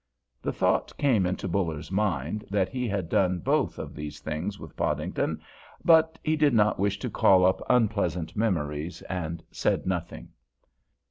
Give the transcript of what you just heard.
The thought came into Buller's mind that he had done both of these things with Podington, but he did not wish to call up unpleasant memories, and said nothing.